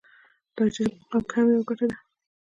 د عاجزي په مقام کې هم يوه ګټه ده.